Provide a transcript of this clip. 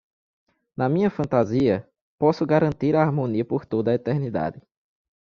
Na minha fantasia, posso garantir a harmonia por toda a eternidade.